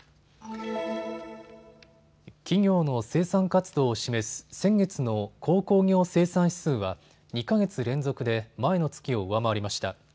企業の生産活動を示す先月の鉱工業生産指数は２か月連続で前の月を上回りました。